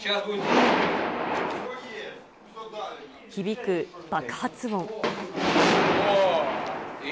響く爆発音。